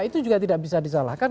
itu juga tidak bisa disalahkan